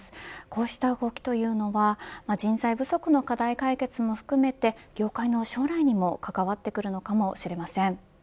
こうした動きというのは人材不足の課題解決も含めて業界の将来にも関わってくるのかもしれません。